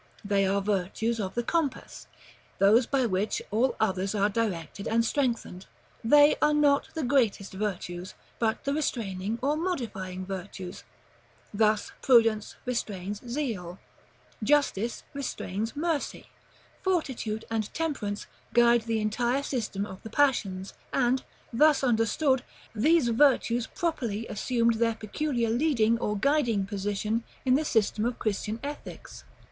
They are virtues of the compass, those by which all others are directed and strengthened; they are not the greatest virtues, but the restraining or modifying virtues, thus Prudence restrains zeal, Justice restrains mercy, Fortitude and Temperance guide the entire system of the passions; and, thus understood, these virtues properly assumed their peculiar leading or guiding position in the system of Christian ethics.